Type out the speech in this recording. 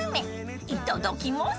［いただきます！］